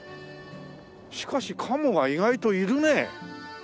しかしカモが意外といるね。